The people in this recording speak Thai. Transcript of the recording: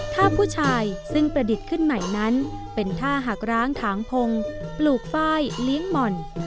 ถ้าผู้ชายซึ่งประดิษฐ์ขึ้นใหม่นั้นเป็นท่าหักร้างถางพงปลูกฝ้ายเลี้ยงหม่อน